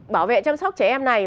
bảo vệ chăm sóc trẻ em này